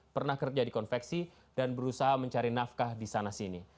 pernah kerja di konveksi dan berusaha mencari nafkah di sana sini